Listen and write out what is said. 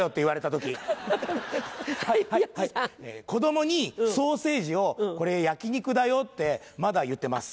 子供にソーセージを「これ焼き肉だよ」ってまだ言ってます。